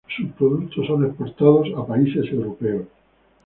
Sus productos son exportados a países europeos.